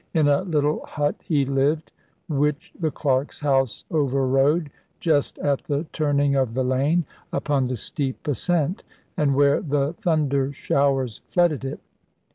In a little hut he lived, which the clerk's house overrode, just at the turning of the lane, upon the steep ascent, and where the thunder showers flooded it.